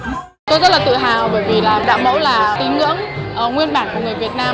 tự hào bởi vì đạo mẫu là tín ngưỡng nguyên bản của người việt nam